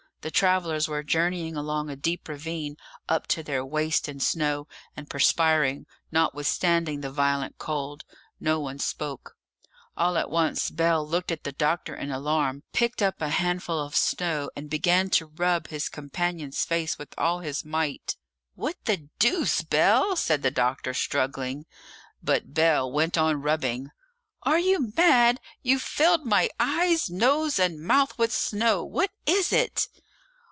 The travellers were journeying along a deep ravine up to their waists in snow, and perspiring, notwithstanding the violent cold. No one spoke. All at once Bell looked at the doctor in alarm, picked up a handful of snow, and began to rub his companion's face with all his might. "What the deuce, Bell?" said the doctor, struggling. But Bell went on rubbing. "Are you mad? You've filled my eyes, nose, and mouth with snow. What is it?"